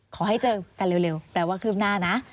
ขอให้เจอกันเร็วแปลว่าคืบหน้านะ